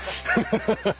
ハハハハ。